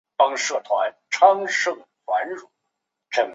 他以建设巩固万金天主堂及其教区为人所知。